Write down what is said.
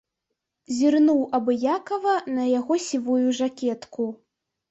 Зірнуў абыякава на яго сівую жакетку.